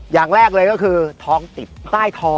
อย่างแรกเลยก็คือท้องติดใต้ท้อง